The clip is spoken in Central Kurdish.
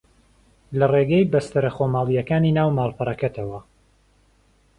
لە ڕێگەی بەستەرە خۆماڵییەکانی ناو ماڵپەڕەکەتەوە